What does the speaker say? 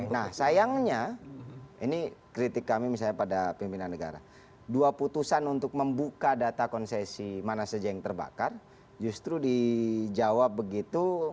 nah sayangnya ini kritik kami misalnya pada pimpinan negara dua putusan untuk membuka data konsesi mana saja yang terbakar justru dijawab begitu